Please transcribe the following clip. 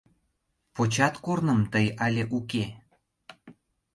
Почат корным тый але уке?